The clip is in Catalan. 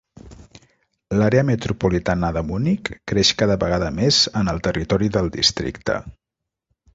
L'àrea metropolitana de Munic creix cada vegada més en el territori del districte.